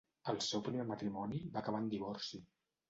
El seu primer matrimoni va acabar en divorci.